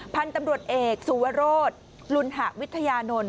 พันธุ์ตำรวจเอกสุวรสลุณหะวิทยานนท์